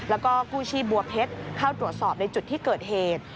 แล้วก็กู้ชีพบัวเพชรเข้าตรวจสอบในจุดที่เกิดเหตุ